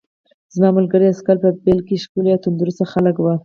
زما ملګري عسکر په پیل کې ښکلي او تندرست خلک وو